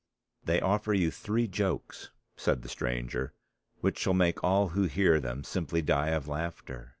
"They offer you three jokes," said the stranger, "which shall make all who hear them simply die of laughter."